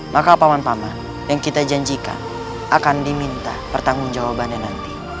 maka paman paman yang kita janjikan akan diminta pertanggung jawabannya nanti